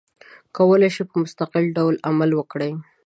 کولای شي په مستقل ډول عمل وکړي.